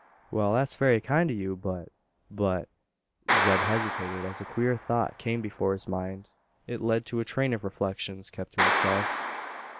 "Wal, that's very kind o' you; but but " Zeb hesitated, as a queer thought came before his mind. It led to a train of reflections kept to himself.